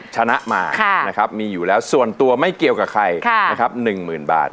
ชนะมานะครับมีอยู่แล้วส่วนตัวไม่เกี่ยวกับใครนะครับ๑๐๐๐บาท